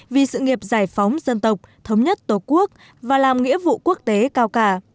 vì sự nghiệp giải phóng dân tộc thống nhất tổ quốc và làm nghĩa vụ quốc tế cao cả